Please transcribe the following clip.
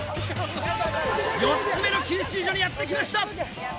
４つ目の給水所にやって来ました！